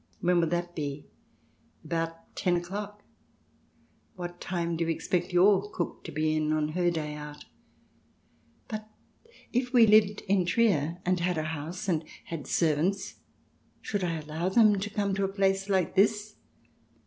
" When will that be ?" "About ten o'clock. What time do you expect your cook to be in on her day out ?"" But if we lived in Trier, and had a house, and had servants, should I allow them to come to a place like this